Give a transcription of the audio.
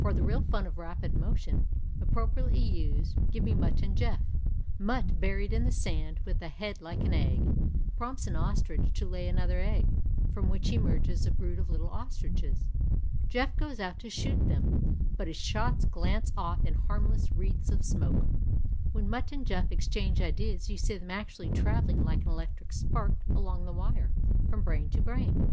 For the real fun of rapid motion, appropriately used, give me Mutt and Jeff. Mutt, buried in the sand, with a head like an egg, prompts an ostrich to lay another egg, from which emerges a brood of little ostriches. Jeff goes out to shoot them, but his shots glance off in harmless ^v^eaths of smoke. When Mutt and Jeff exchange ideas you see them actually travelling like an electric spark along the wire, from brain to brain.